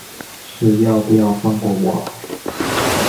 是要不要放过我啊